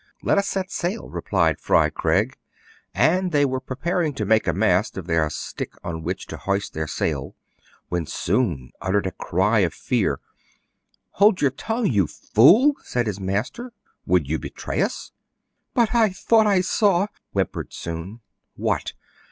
Let us set sail," replied Fry Craig. And they 220 TRIBULATIONS OF A CHINAMAN. were preparing to make a mast of their stick on which to hoist their sail, when Soun uttered a cry of fear. Hold your tongue, you fool !" said his master. " Would you betray us ?*'But I thought I saw *'— whimpered Soun. "What?"